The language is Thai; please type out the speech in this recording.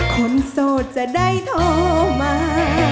โสดจะได้โทรมา